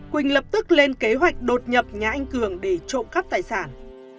quỳnh lập tức lên kế hoạch đột nhập nhà anh cường để trộm cắp tài sản